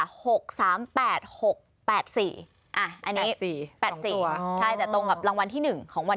๖๓๘๖๘๔อันนี้สี่สองตัวใช่แต่ตรงกับรางวัลที่หนึ่งของวัน